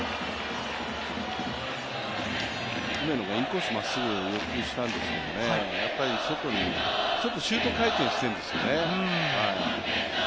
梅野がインコースまっすぐを要求したんですけど、ちょっと外にシュート回転しているんですよね。